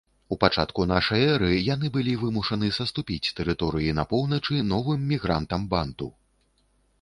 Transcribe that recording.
У пачатку нашай эры яны былі вымушаны саступіць тэрыторыі на поўначы новым мігрантам-банту.